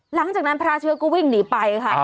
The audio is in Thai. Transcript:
หลังจากนั้นพระเชื้อก็วิ่งหนีไปค่ะ